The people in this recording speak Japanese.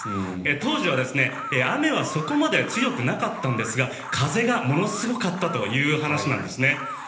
当時は雨はそこまで強くなかったんですが風がものすごかったという話なんですね。